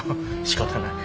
しかたない。